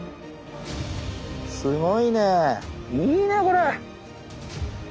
すごいねいいねこれ。